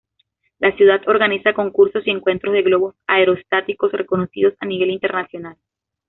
La ciudad organiza concursos y encuentros de globos aerostáticos reconocidos a nivel internacional.